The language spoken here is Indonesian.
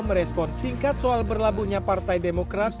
merespon singkat soal berlabuhnya partai demokrasi